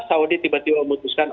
saudi tiba tiba memutuskan